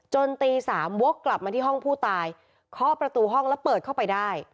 ตีสามวกกลับมาที่ห้องผู้ตายเคาะประตูห้องแล้วเปิดเข้าไปได้